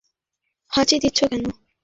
আমার ওপর হাঁচি দিচ্ছো কেন?